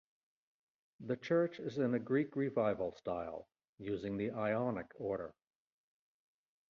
The church is in a Greek revival style, using the Ionic order.